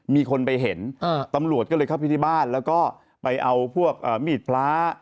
มีคนไปเห็นตำรวจก็เลยเข้าไปที่บ้านแล้วก็ไปเอาพวกมีดพระ